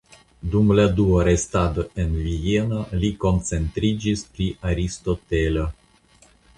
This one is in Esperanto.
Dum la dua restado en Vieno li koncentriĝis pri Aristotelo.